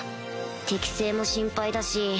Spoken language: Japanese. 適正も心配だし